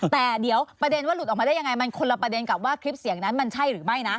แต่เดี๋ยวประเด็นว่าหลุดออกมาได้ยังไงมันคนละประเด็นกับว่าคลิปเสียงนั้นมันใช่หรือไม่นะ